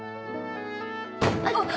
あっ。